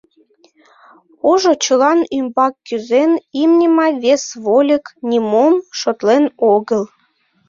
Ожо чылан ӱмбак кӱзен: имне ма, вес вольык — нимом шотлен огыл.